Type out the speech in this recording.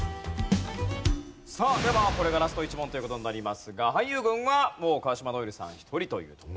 さあではこれがラスト１問という事になりますが俳優軍はもう川島如恵留さん１人というところ。